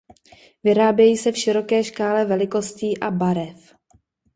Vyrábějí se v široké škále velikostí a barev.